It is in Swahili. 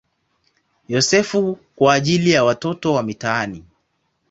Yosefu" kwa ajili ya watoto wa mitaani.